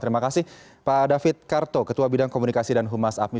terima kasih pak david karto ketua bidang komunikasi dan humas apmi